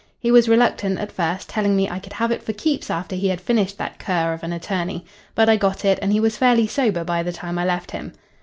He was reluctant at first, telling me I could have it for keeps after he had finished that cur of an attorney. But I got it, and he was fairly sober by the time I left him.